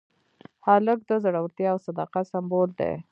هلک د زړورتیا او صداقت سمبول دی.